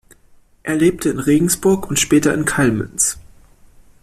Er lebte in Regensburg und später in Kallmünz.